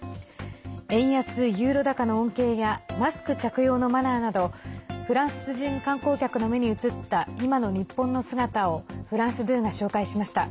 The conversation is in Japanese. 円安ユーロ高の恩恵やマスク着用のマナーなどフランス人観光客の目に映った今の日本の姿をフランス２が紹介しました。